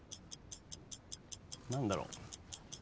何だろう？